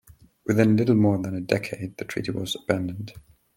Within little more than a decade, the treaty was abandoned.